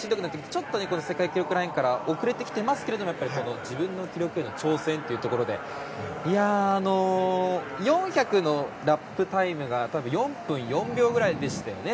ちょっと世界記録ラインから遅れてきていますが自分の記録への挑戦というところで４００のラップタイムが４分４秒くらいでしたよね